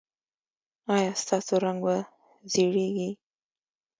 ایا ستاسو رنګ به زیړیږي؟